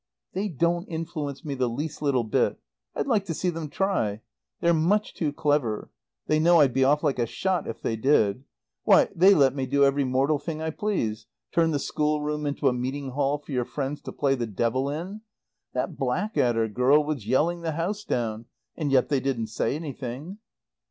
"They don't influence me the least little bit. I'd like to see them try. They're much too clever. They know I'd be off like a shot if they did. Why, they let me do every mortal thing I please turn the schoolroom into a meeting hall for your friends to play the devil in. That Blackadder girl was yelling the house down, yet they didn't say anything.